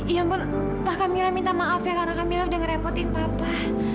ya ampun pak kamila minta maaf ya karena kamila udah ngerepotin papa